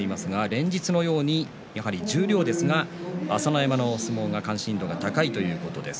連日のように十両ですが朝乃山の相撲が関心度が高いということです。